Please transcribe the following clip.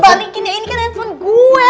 balikin ya ini kan respon gue